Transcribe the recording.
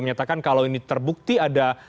menyatakan kalau ini terbukti ada